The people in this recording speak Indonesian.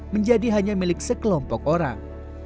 menjadi hanya milik sekelompok orang